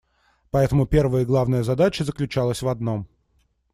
Поэтому первая и главная задача заключалась в одном.